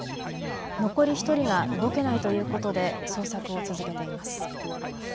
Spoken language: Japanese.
残り１人が動けないということで捜索を続けています。